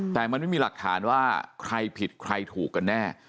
แต่มันไม่มีหลักฐานว่าใครผิดใครถูกกันแน่